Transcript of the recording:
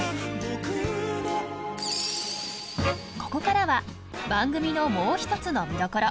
ここからは番組のもう一つの見どころ！